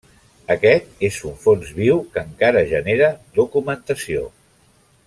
Aquest és un fons viu que encara genera documentació.